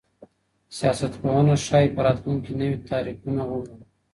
سياستپوهنه ښايي په راتلونکي کي نوي تعريفونه ومومي.